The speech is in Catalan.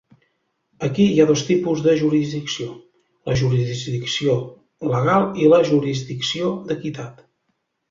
Aquí hi ha dos tipus de jurisdicció: la jurisdicció legal i la jurisdicció d'equitat.